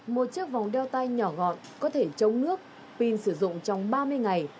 một chiếc vòng đeo tay nhỏ gọn có thể chống nước pin sử dụng trong ba mươi ngày